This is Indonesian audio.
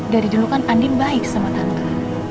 dari dulu kan pending baik sama tante